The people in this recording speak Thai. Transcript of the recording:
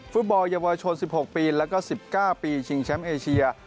ฟุตบอลเยาวชน๑๖ปีแล้วก็๑๙ปีชิงแชมป์เอเชีย